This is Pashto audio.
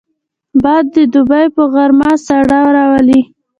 باد د دوبي په غرمه ساړه راولي